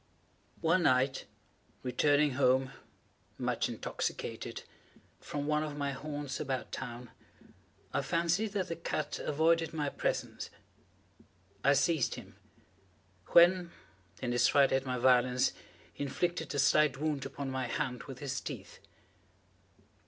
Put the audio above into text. One night, returning home, much intoxicated, from one of my haunts about town, I fancied that the cat avoided my presence. I seized him; when, in his fright at my violence, he inflicted a slight wound upon my hand with his teeth.